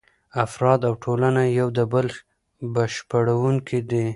افراد او ټولنه یو د بل بشپړونکي دي.